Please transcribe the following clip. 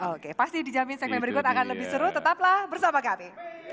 oke pasti dijamin segmen berikut akan lebih seru tetaplah bersama kami